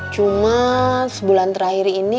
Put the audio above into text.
cuma sebulan terakhir ini